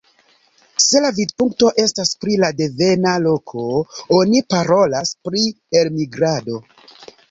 Se la vidpunkto estas pri la devena loko, oni parolas pri elmigrado.